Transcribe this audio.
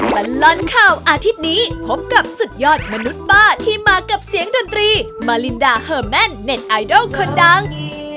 ตลอดข่าวอาทิตย์นี้พบกับสุดยอดมนุษย์ป้าที่มากับเสียงดนตรีมารินดาเฮอร์แมนเน็ตไอดอลคนดัง